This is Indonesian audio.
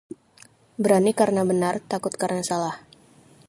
Berani karena benar, takut karena salah